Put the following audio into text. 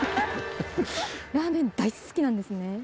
ラーメン大好きなんですね。